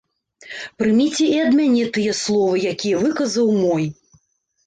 Прыміце і ад мяне тыя словы, якія выказаў мой.